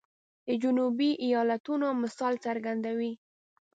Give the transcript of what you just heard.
د جنوبي ایالاتونو مثال څرګندوي.